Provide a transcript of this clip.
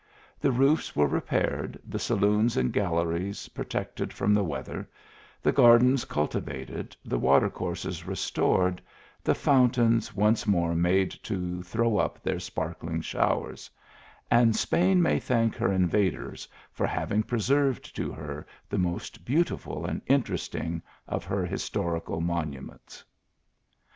The roofs were re paired, the saloons and galleries protected from the weather, the gardens cultivated, the water courses restored, the fountains once more made to throw up their sparKling showers : and Spain may thank her invaders for having preserved to her the most beautiful and interesting of her historical mon uments.